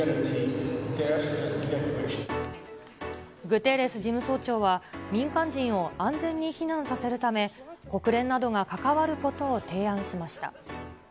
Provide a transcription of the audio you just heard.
グテーレス事務総長は、民間人を安全に避難させるため、国連などが関わることを提案しました。